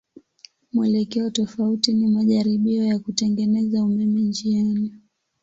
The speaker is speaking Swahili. Mwelekeo tofauti ni majaribio ya kutengeneza umeme njiani.